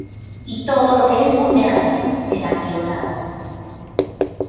Y todo lo que es vulnerable será violado!